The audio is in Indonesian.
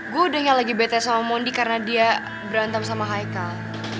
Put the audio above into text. gue udah yang lagi bete sama mondi karena dia berantem sama haikal